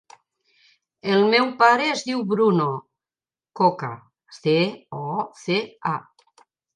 El meu pare es diu Bruno Coca: ce, o, ce, a.